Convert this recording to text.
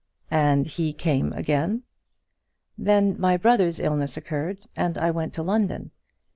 "And he came again." "Then my brother's illness occurred, and I went to London.